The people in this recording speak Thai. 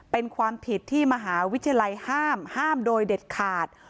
เป็นความผิดที่มหาวิทยาลัยห้ามห้ามโดยเด็ดขาด